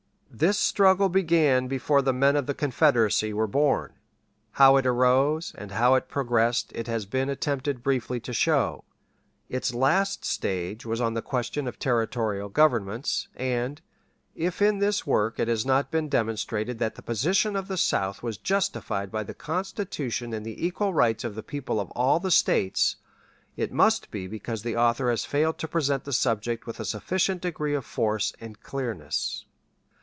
This struggle began before the men of the Confederacy were born; how it arose and how it progressed it has been attempted briefly to show. Its last stage was on the question of territorial governments; and, if in this work it has not been demonstrated that the position of the South was justified by the Constitution and the equal rights of the people of all the States, it must be because the author has failed to present the subject with a sufficient degree of force and clearness.